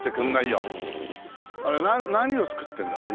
あれは何を作ってるんだろう？